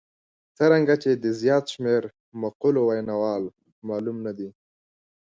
څرنګه چې د زیات شمېر مقولو ویناوال معلوم نه دي.